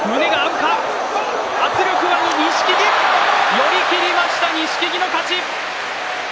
寄り切りました錦木の勝ち。